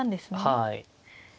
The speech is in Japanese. はい。